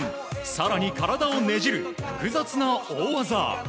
更に体をねじる複雑な大技。